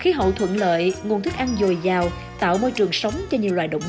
khí hậu thuận lợi nguồn thức ăn dồi dào tạo môi trường sống cho nhiều loài động vật